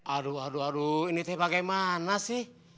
aduh aduh aduh ini teh pake mana sih